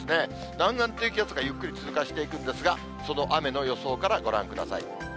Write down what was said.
南岸低気圧がゆっくり通過していくんですが、その雨の予想からご覧ください。